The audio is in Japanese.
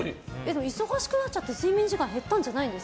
忙しくなっちゃって睡眠時間減ったんじゃないですか？